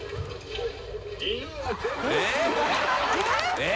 えっ？